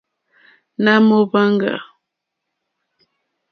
Nà mò wàŋɡbá.